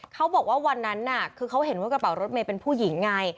เขาบอกว่าวันนั้นน่ะคือเขาเห็นว่ากระเป๋ารถเมย์เป็นผู้หญิงไง